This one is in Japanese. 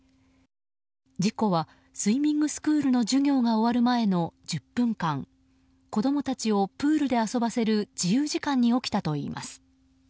事故はスイミングスクールの授業が終わるまでの１０分間子供たちをプールで遊ばせる自由時間に起きたといいます。